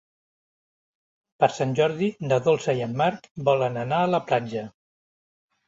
Per Sant Jordi na Dolça i en Marc volen anar a la platja.